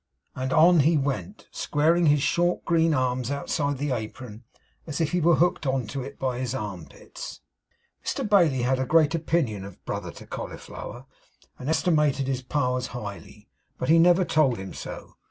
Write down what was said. and on he went, squaring his short green arms outside the apron, as if he were hooked on to it by his armpits. Mr Bailey had a great opinion of Brother to Cauliflower, and estimated his powers highly. But he never told him so.